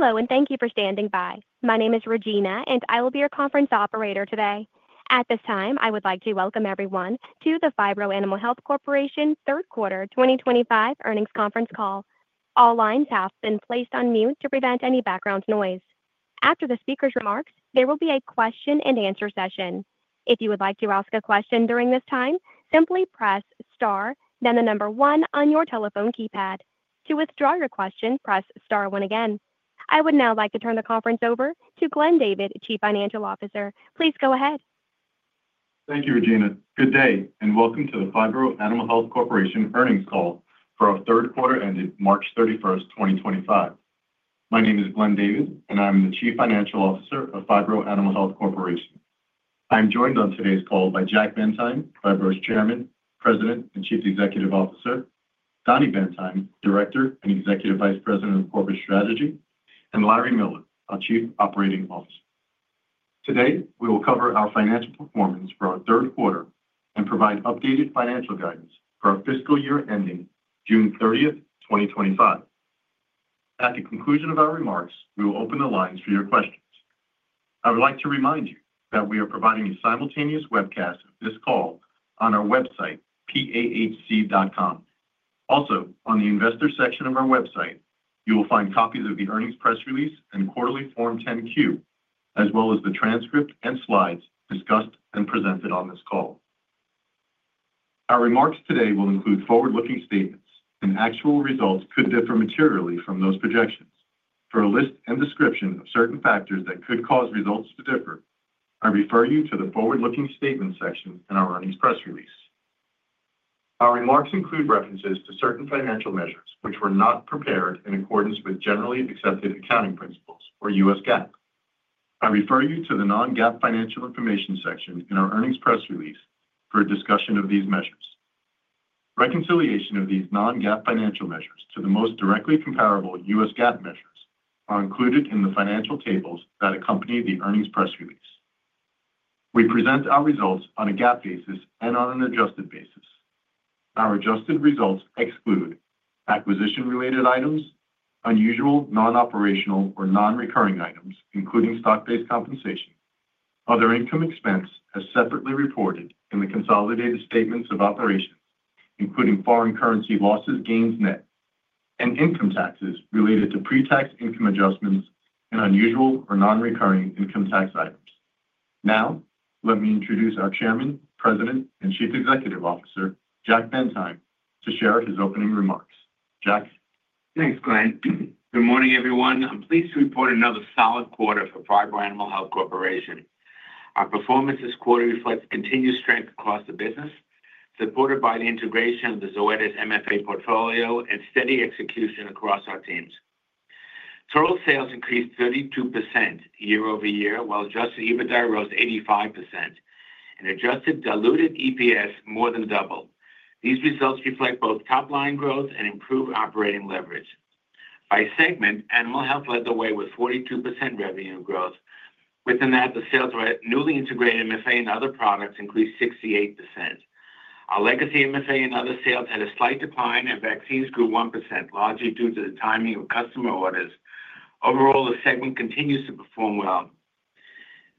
Hello, and thank you for standing by. My name is Regina, and I will be your conference operator today. At this time, I would like to welcome everyone to the Phibro Animal Health Corporation third quarter 2025 earnings conference call. All lines have been placed on mute to prevent any background noise. After the speaker's remarks, there will be a question-and-answer session. If you would like to ask a question during this time, simply press star, then the number one on your telephone keypad. To withdraw your question, press star one again. I would now like to turn the conference over to Glenn David, Chief Financial Officer. Please go ahead. Thank you, Regina. Good day, and welcome to the Phibro Animal Health Corporation earnings call for our third quarter ended March 31st, 2025. My name is Glenn David, and I'm the Chief Financial Officer of Phibro Animal Health Corporation. I'm joined on today's call by Jack Bendheim, Phibro's Chairman, President, and Chief Executive Officer; Dan Bendheim, Director and Executive Vice President of Corporate Strategy; and Larry Miller, our Chief Operating Officer. Today, we will cover our financial performance for our third quarter and provide updated financial guidance for our fiscal year ending June 30th, 2025. At the conclusion of our remarks, we will open the lines for your questions. I would like to remind you that we are providing a simultaneous webcast of this call on our website, pahc.com. Also, on the investor section of our website, you will find copies of the earnings press release and quarterly Form 10-Q, as well as the transcript and slides discussed and presented on this call. Our remarks today will include forward-looking statements, and actual results could differ materially from those projections. For a list and description of certain factors that could cause results to differ, I refer you to the forward-looking statements section in our earnings press release. Our remarks include references to certain financial measures which were not prepared in accordance with generally accepted accounting principles, or U.S. GAAP. I refer you to the non-GAAP financial information section in our earnings press release for a discussion of these measures. Reconciliation of these non-GAAP financial measures to the most directly comparable U.S. GAAP measures are included in the financial tables that accompany the earnings press release. We present our results on a GAAP basis and on an adjusted basis. Our adjusted results exclude acquisition-related items, unusual non-operational or non-recurring items, including stock-based compensation. Other income expense is separately reported in the consolidated statements of operations, including foreign currency losses gains net, and income taxes related to pre-tax income adjustments and unusual or non-recurring income tax items. Now, let me introduce our Chairman, President, and Chief Executive Officer, Jack Bendheim, to share his opening remarks. Jack. Thanks, Glenn. Good morning, everyone. I'm pleased to report another solid quarter for Phibro Animal Health Corporation. Our performance this quarter reflects continued strength across the business, supported by the integration of the Zoetis MFA portfolio and steady execution across our teams. Total sales increased 32% year-over-year, while adjusted EBITDA rose 85%, and adjusted diluted EPS more than doubled. These results reflect both top-line growth and improved operating leverage. By segment, animal health led the way with 42% revenue growth. Within that, the sales of newly integrated MFA and other products increased 68%. Our legacy MFA and other sales had a slight decline, and vaccines grew 1%, largely due to the timing of customer orders. Overall, the segment continues to perform well.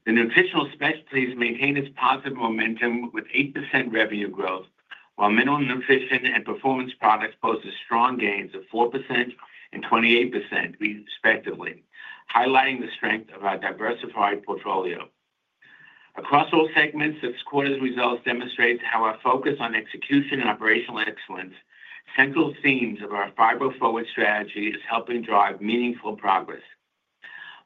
The nutritional specialties maintained its positive momentum with 8% revenue growth, while mineral nutrition and performance products posted strong gains of 4% and 28%, respectively, highlighting the strength of our diversified portfolio. Across all segments, this quarter's results demonstrate how our focus on execution and operational excellence, central themes of our Phibro Forward strategy, is helping drive meaningful progress.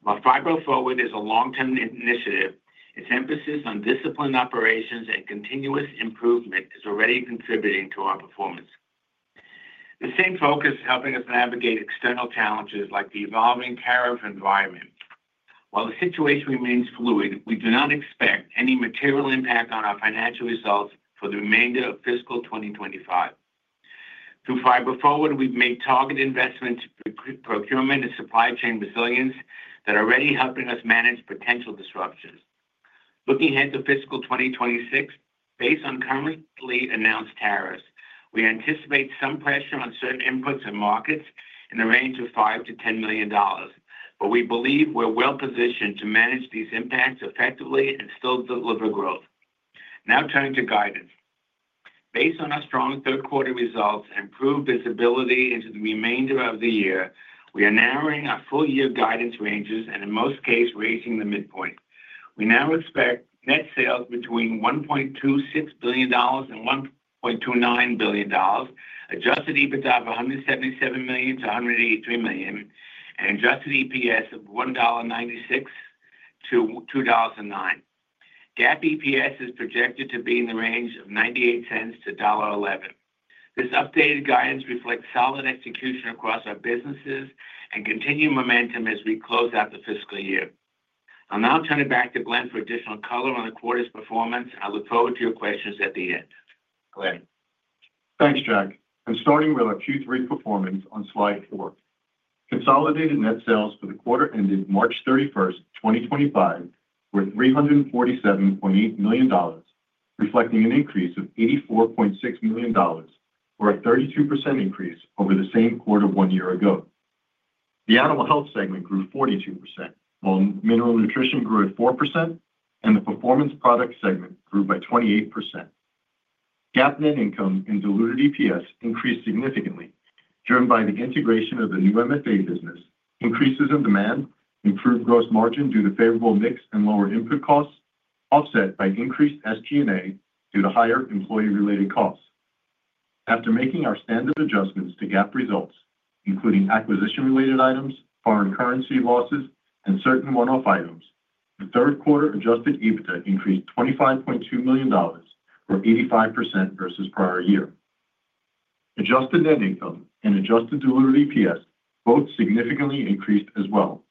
While Phibro Forward is a long-term initiative, its emphasis on disciplined operations and continuous improvement is already contributing to our performance. The same focus is helping us navigate external challenges like the evolving tariff environment. While the situation remains fluid, we do not expect any material impact on our financial results for the remainder of fiscal 2025. Through Phibro Forward, we've made targeted investments, procurement, and supply chain resilience that are already helping us manage potential disruptions. Looking ahead to fiscal 2026, based on currently announced tariffs, we anticipate some pressure on certain inputs and markets in the range of $5 million-$10 million, but we believe we're well-positioned to manage these impacts effectively and still deliver growth. Now, turning to guidance. Based on our strong third-quarter results and improved visibility into the remainder of the year, we are narrowing our full-year guidance ranges and, in most cases, reaching the midpoint. We now expect net sales between $1.26 billion-$1.29 billion, adjusted EBITDA of $177 million-$183 million, and adjusted EPS of $1.96-$2.09. GAAP EPS is projected to be in the range of $0.98-$1.11. This updated guidance reflects solid execution across our businesses and continued momentum as we close out the fiscal year. I'll now turn it back to Glenn for additional color on the quarter's performance. I look forward to your questions at the end. Glenn. Thanks, Jack. I'm starting with our Q3 performance on slide four. Consolidated net sales for the quarter ended March 31st, 2025, were $347.8 million, reflecting an increase of $84.6 million, or a 32% increase over the same quarter one year ago. The animal health segment grew 42%, while mineral nutrition grew at 4%, and the performance product segment grew by 28%. GAAP net income and diluted EPS increased significantly, driven by the integration of the new MFA business, increases in demand, improved gross margin due to favorable mix and lower input costs, offset by increased SG&A due to higher employee-related costs. After making our standard adjustments to GAAP results, including acquisition-related items, foreign currency losses, and certain one-off items, the third-quarter adjusted EBITDA increased $25.2 million, or 85% versus prior year. Adjusted net income and adjusted diluted EPS both significantly increased as well.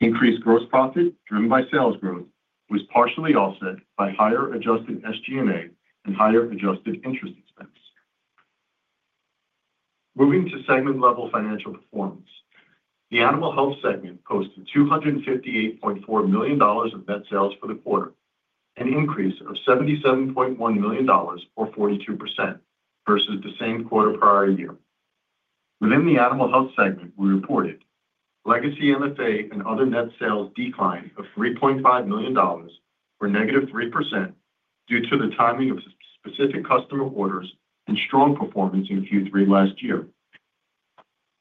Increased gross profit, driven by sales growth, was partially offset by higher adjusted SG&A and higher adjusted interest expense. Moving to segment-level financial performance, the animal health segment posted $258.4 million of net sales for the quarter, an increase of $77.1 million, or 42%, versus the same quarter prior year. Within the animal health segment, we reported legacy MFA and other net sales decline of $3.5 million, or -3%, due to the timing of specific customer orders and strong performance in Q3 last year.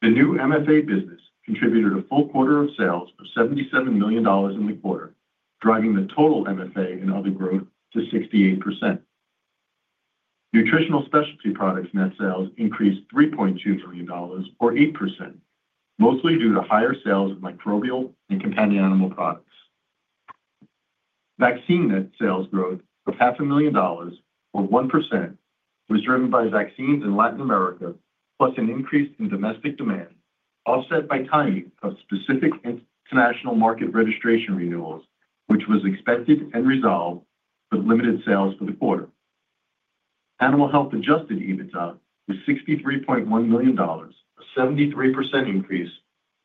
The new MFA business contributed a full quarter of sales of $77 million in the quarter, driving the total MFA and other growth to 68%. Nutritional specialty products net sales increased $3.2 million, or 8%, mostly due to higher sales of microbial and companion animal products. Vaccine net sales growth of $500,000, or 1%, was driven by vaccines in Latin America, plus an increase in domestic demand, offset by timing of specific international market registration renewals, which was expected and resolved with limited sales for the quarter. Animal health adjusted EBITDA was $63.1 million, a 73% increase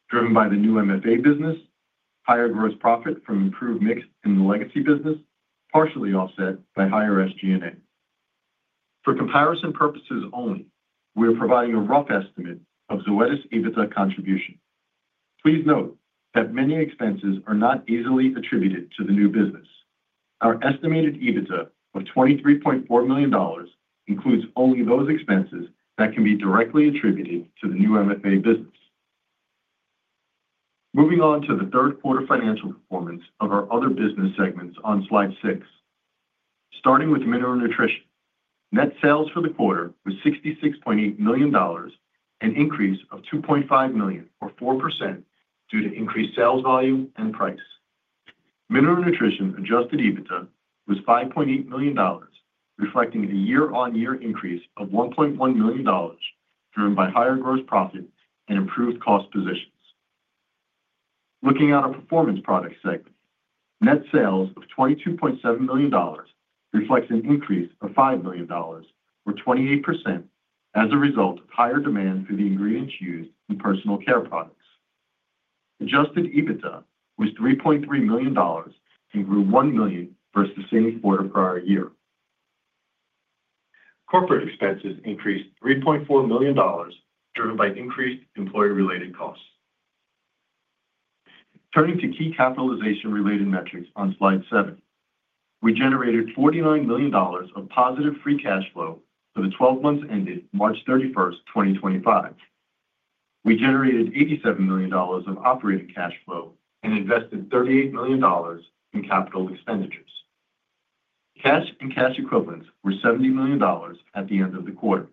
driven by the new MFA business, higher gross profit from improved mix in the legacy business, partially offset by higher SG&A. For comparison purposes only, we are providing a rough estimate of Zoetis' EBITDA contribution. Please note that many expenses are not easily attributed to the new business. Our estimated EBITDA of $23.4 million includes only those expenses that can be directly attributed to the new MFA business. Moving on to the third-quarter financial performance of our other business segments on slide six. Starting with mineral nutrition, net sales for the quarter was $66.8 million and increased $2.5 million, or 4%, due to increased sales volume and price. Mineral nutrition adjusted EBITDA was $5.8 million, reflecting a year-on-year increase of $1.1 million, driven by higher gross profit and improved cost positions. Looking at our performance product segment, net sales of $22.7 million reflects an increase of $5 million, or 28%, as a result of higher demand for the ingredients used in personal care products. Adjusted EBITDA was $3.3 million and grew $1 million versus the same quarter prior year. Corporate expenses increased $3.4 million, driven by increased employee-related costs. Turning to key capitalization-related metrics on slide seven, we generated $49 million of positive free cash flow for the 12 months ended March 31st, 2025. We generated $87 million of operating cash flow and invested $38 million in capital expenditures. Cash and cash equivalents were $70 million at the end of the quarter.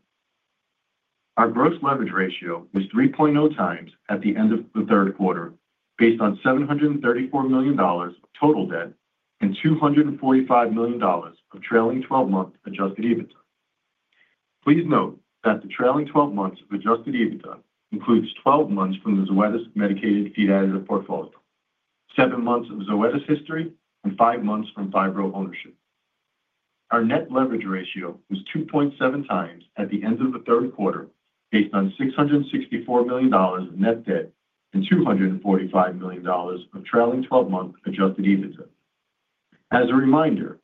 Our gross leverage ratio was 3.0x at the end of the third quarter, based on $734 million of total debt and $245 million of trailing 12-month adjusted EBITDA. Please note that the trailing 12 months of adjusted EBITDA includes 12 months from the Zoetis medicated feed additive portfolio, 7 months of Zoetis history, and 5 months from Phibro ownership. Our net leverage ratio was 2.7x at the end of the third quarter, based on $664 million of net debt and $245 million of trailing 12-month adjusted EBITDA. As a reminder,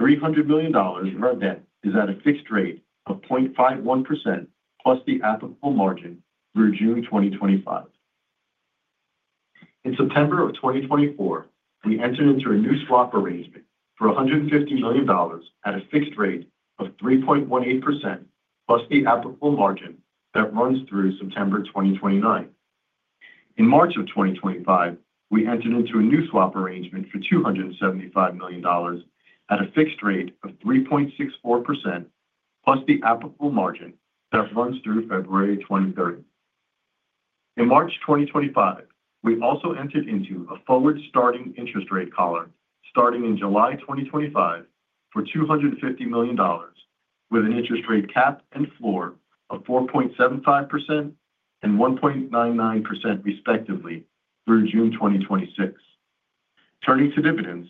$300 million of our debt is at a fixed rate of 0.51%+ the applicable margin through June 2025. In September of 2024, we entered into a new swap arrangement for $150 million at a fixed rate of 3.18% plus the applicable margin that runs through September 2029. In March of 2025, we entered into a new swap arrangement for $275 million at a fixed rate of 3.64%+ the applicable margin that runs through February 2030. In March 2025, we also entered into a forward-starting interest rate cap starting in July 2025 for $250 million, with an interest rate cap and floor of 4.75% and 1.99%, respectively, through June 2026. Turning to dividends,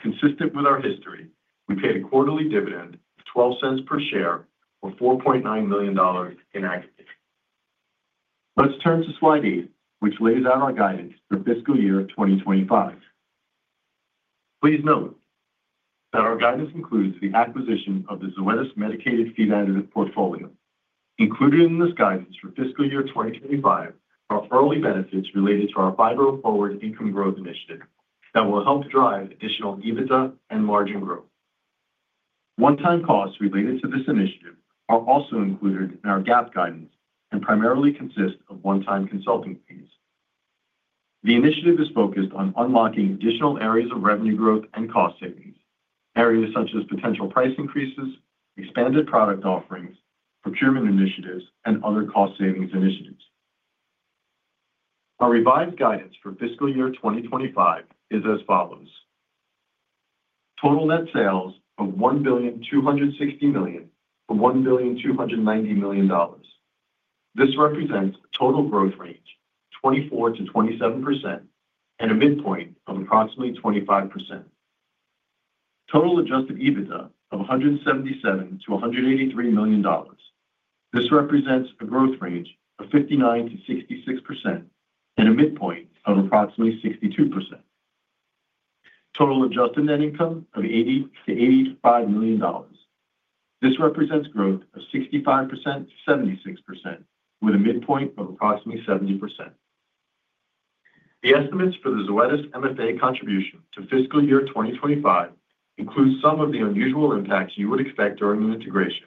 consistent with our history, we paid a quarterly dividend of $0.12 per share, or $4.9 million in aggregate. Let's turn to slide eight, which lays out our guidance for fiscal year 2025. Please note that our guidance includes the acquisition of the Zoetis MFA portfolio. Included in this guidance for fiscal year 2025 are early benefits related to our Phibro Forward income growth initiative that will help drive additional EBITDA and margin growth. One-time costs related to this initiative are also included in our GAAP guidance and primarily consist of one-time consulting fees. The initiative is focused on unlocking additional areas of revenue growth and cost savings, areas such as potential price increases, expanded product offerings, procurement initiatives, and other cost savings initiatives. Our revised guidance for fiscal year 2025 is as follows: total net sales of $1,260 million-$1,290 million. This represents a total growth range of 24%-27% and a midpoint of approximately 25%. Total adjusted EBITDA of $177 million-$183 million. This represents a growth range of 59%-66% and a midpoint of approximately 62%. Total adjusted net income of $80 million-$85 million. This represents growth of 65%-76%, with a midpoint of approximately 70%. The estimates for the Zoetis MFA contribution to fiscal year 2025 include some of the unusual impacts you would expect during the integration,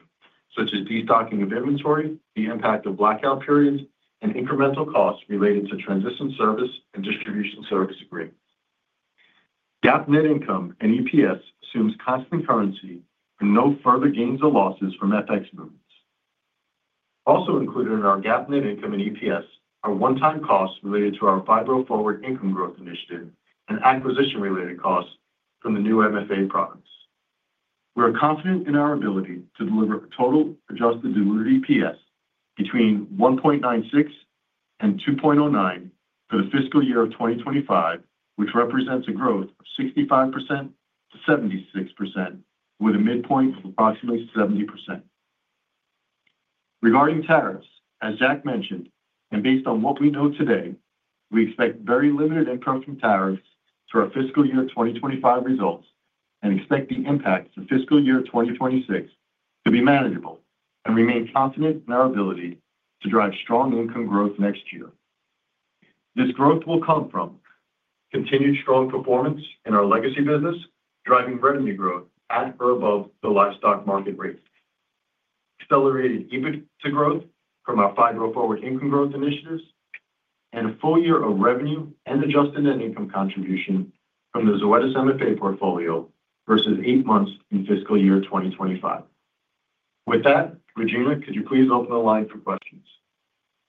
such as destocking of inventory, the impact of blackout periods, and incremental costs related to transition service and distribution service agreements. GAAP net income and EPS assumes constant currency and no further gains or losses from FX movements. Also included in our GAAP net income and EPS are one-time costs related to our Phibro Forward income growth initiative and acquisition-related costs from the new MFA products. We are confident in our ability to deliver a total adjusted diluted EPS between $1.96 and $2.09 for the fiscal year of 2025, which represents a growth of 65%-76%, with a midpoint of approximately 70%. Regarding tariffs, as Jack mentioned, and based on what we know today, we expect very limited improvement in tariffs through our fiscal year 2025 results and expect the impact for fiscal year 2026 to be manageable and remain confident in our ability to drive strong income growth next year. This growth will come from continued strong performance in our legacy business, driving revenue growth at or above the livestock market rate, accelerated EBITDA growth from our Phibro Forward income growth initiatives, and a full year of revenue and adjusted net income contribution from the Zoetis MFA portfolio versus eight months in fiscal year 2025. With that, Regina, could you please open the line for questions?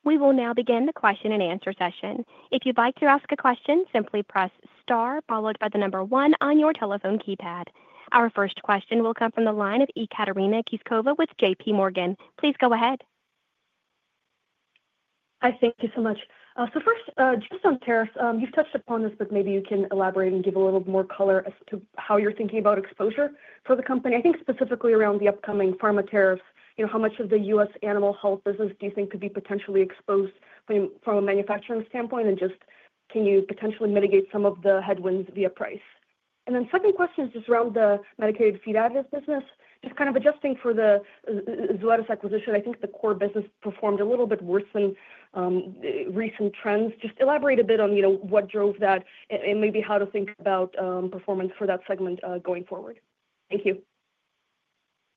We will now begin the question and answer session. If you'd like to ask a question, simply press star followed by the number one on your telephone keypad. Our first question will come from the line of Ekaterina Knyazkova with JPMorgan. Please go ahead. Hi, thank you so much. First, just on tariffs, you've touched upon this, but maybe you can elaborate and give a little more color as to how you're thinking about exposure for the company. I think specifically around the upcoming pharma tariffs, how much of the U.S. animal health business do you think could be potentially exposed from a manufacturing standpoint, and just can you potentially mitigate some of the headwinds via price? The second question is just around the medicated feed additive business. Just kind of adjusting for the Zoetis acquisition, I think the core business performed a little bit worse than recent trends. Just elaborate a bit on what drove that and maybe how to think about performance for that segment going forward. Thank you.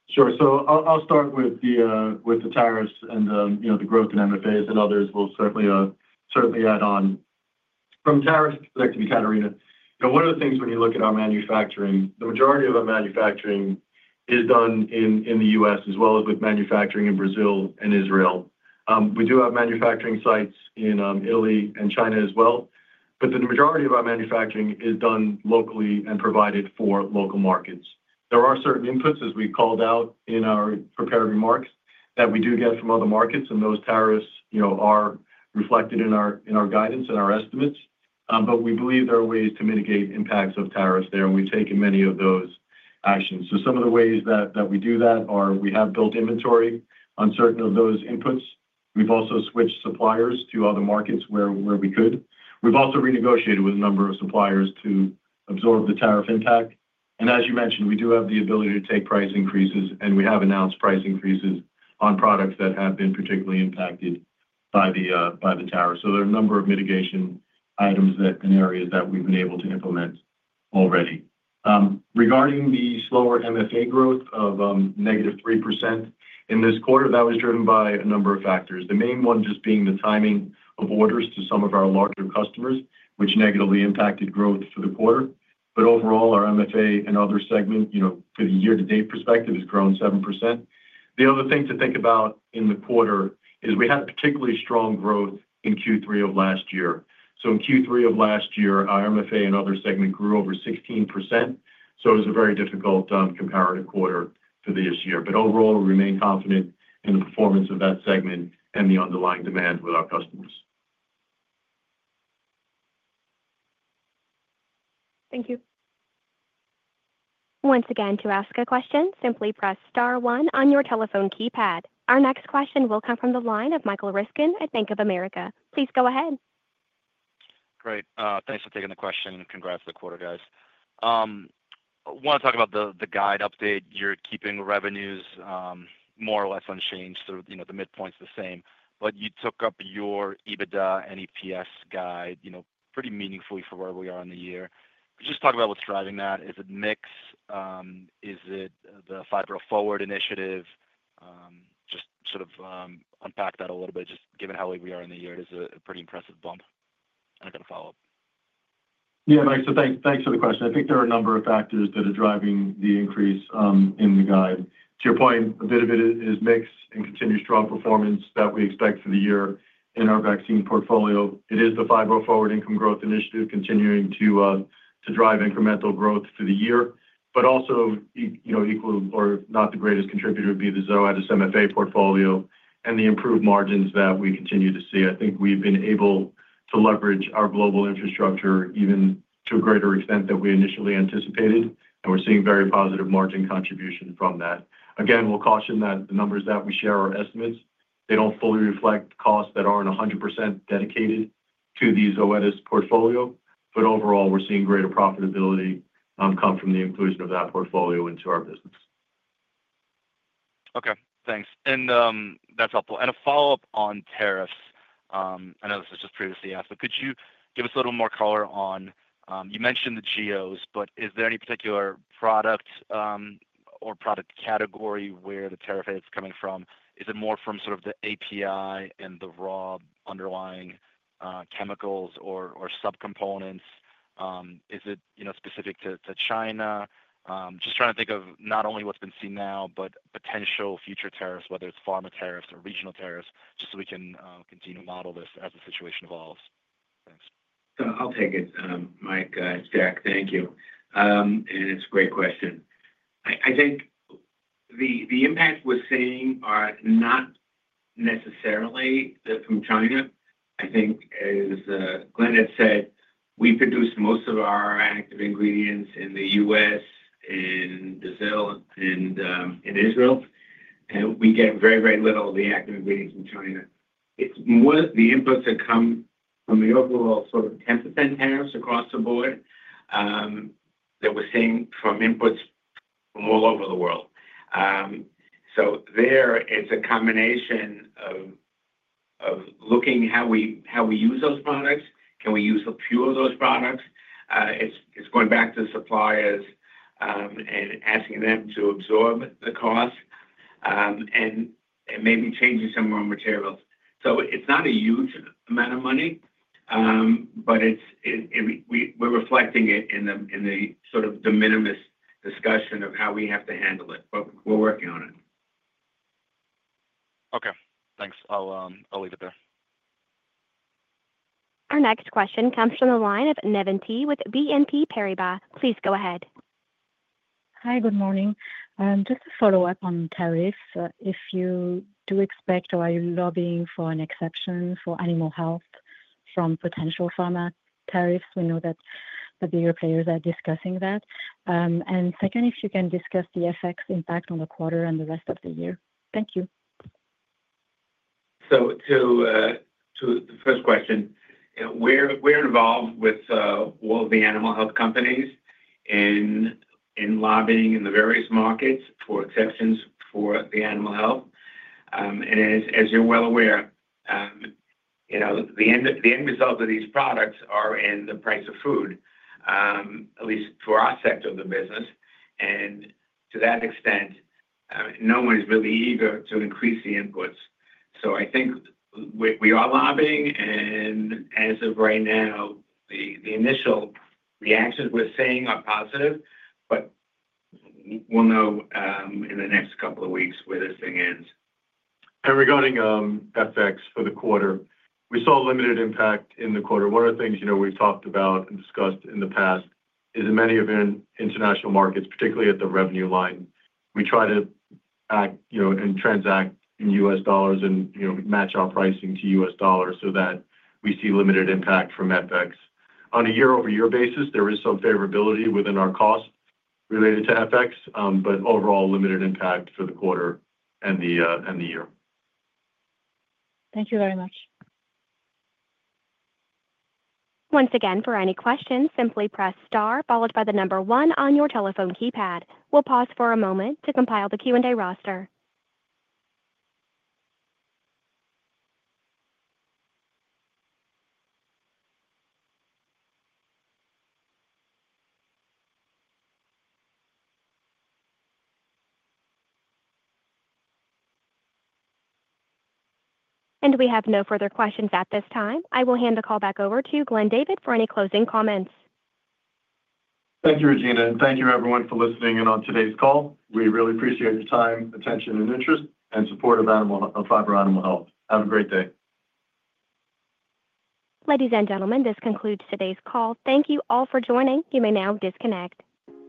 Sure. I'll start with the tariffs and the growth in MFAs and others. We'll certainly add on. From tariffs, back to you, Katerina. One of the things when you look at our manufacturing, the majority of our manufacturing is done in the U.S., as well as with manufacturing in Brazil and Israel. We do have manufacturing sites in Italy and China as well, but the majority of our manufacturing is done locally and provided for local markets. There are certain inputs, as we called out in our prepared remarks, that we do get from other markets, and those tariffs are reflected in our guidance and our estimates. We believe there are ways to mitigate impacts of tariffs there, and we've taken many of those actions. Some of the ways that we do that are we have built inventory on certain of those inputs. We've also switched suppliers to other markets where we could. We've also renegotiated with a number of suppliers to absorb the tariff impact. As you mentioned, we do have the ability to take price increases, and we have announced price increases on products that have been particularly impacted by the tariff. There are a number of mitigation items and areas that we've been able to implement already. Regarding the slower MFA growth of -3% in this quarter, that was driven by a number of factors. The main one just being the timing of orders to some of our larger customers, which negatively impacted growth for the quarter. Overall, our MFA and other segment, from a year-to-date perspective, has grown 7%. The other thing to think about in the quarter is we had a particularly strong growth in Q3 of last year. In Q3 of last year, our MFA and other segment grew over 16%. It was a very difficult comparative quarter for this year. Overall, we remain confident in the performance of that segment and the underlying demand with our customers. Thank you. Once again, to ask a question, simply press star one on your telephone keypad. Our next question will come from the line of Michael Riskin at Bank of America. Please go ahead. Great. Thanks for taking the question. Congrats to the quarter guys. I want to talk about the guide update. You're keeping revenues more or less unchanged. The midpoint's the same. You took up your EBITDA and EPS guide pretty meaningfully for where we are in the year. Just talk about what's driving that. Is it mix? Is it the Fibro Forward initiative? Just sort of unpack that a little bit. Just given how late we are in the year, it is a pretty impressive bump. I've got a follow-up. Yeah, Mike, so thanks for the question. I think there are a number of factors that are driving the increase in the guide. To your point, a bit of it is mix and continues strong performance that we expect for the year in our vaccine portfolio. It is the Phibro Forward income growth initiative continuing to drive incremental growth for the year. Also, equal or not the greatest contributor would be the Zoetis MFA portfolio and the improved margins that we continue to see. I think we've been able to leverage our global infrastructure even to a greater extent than we initially anticipated, and we're seeing very positive margin contribution from that. Again, we'll caution that the numbers that we share are estimates. They don't fully reflect costs that aren't 100% dedicated to the Zoetis portfolio. Overall, we're seeing greater profitability come from the inclusion of that portfolio into our business. Okay. Thanks. That's helpful. A follow-up on tariffs. I know this was just previously asked, but could you give us a little more color on, you mentioned the GOs, but is there any particular product or product category where the tariff is coming from? Is it more from sort of the API and the raw underlying chemicals or subcomponents? Is it specific to China? Just trying to think of not only what's been seen now, but potential future tariffs, whether it's pharma tariffs or regional tariffs, just so we can continue to model this as the situation evolves. Thanks. I'll take it, Mike, Jack. Thank you. It's a great question. I think the impact we're seeing are not necessarily from China. I think, as Glenn had said, we produce most of our active ingredients in the U.S., in Brazil, and in Israel. We get very, very little of the active ingredients from China. It's more the inputs that come from the overall sort of 10% tariffs across the board that we're seeing from inputs from all over the world. There, it's a combination of looking at how we use those products. Can we use a few of those products? It's going back to suppliers and asking them to absorb the cost and maybe changing some of our materials. It's not a huge amount of money, but we're reflecting it in the sort of de minimis discussion of how we have to handle it. We're working on it. Okay. Thanks. I'll leave it there. Our next question comes from the line of Navann Ty with BNP Paribas. Please go ahead. Hi, good morning. Just to follow up on tariffs, if you do expect or are you lobbying for an exception for animal health from potential pharma tariffs? We know that the bigger players are discussing that. Second, if you can discuss the FX impact on the quarter and the rest of the year. Thank you. To the first question, we're involved with all the animal health companies in lobbying in the various markets for exceptions for the animal health. As you're well aware, the end result of these products is in the price of food, at least for our sector of the business. To that extent, no one is really eager to increase the inputs. I think we are lobbying, and as of right now, the initial reactions we're seeing are positive, but we'll know in the next couple of weeks where this thing ends. Regarding FX for the quarter, we saw limited impact in the quarter. One of the things we've talked about and discussed in the past is in many of international markets, particularly at the revenue line, we try to act and transact in U.S. dollars and match our pricing to U.S. dollars so that we see limited impact from FX. On a year-over-year basis, there is some favorability within our costs related to FX, but overall, limited impact for the quarter and the year. Thank you very much. Once again, for any questions, simply press star followed by the number one on your telephone keypad. We'll pause for a moment to compile the Q&A roster. We have no further questions at this time. I will hand the call back over to Glenn David for any closing comments. Thank you, Regina. Thank you, everyone, for listening in on today's call. We really appreciate your time, attention, and interest and support of Phibro Animal Health. Have a great day. Ladies and gentlemen, this concludes today's call. Thank you all for joining. You may now disconnect.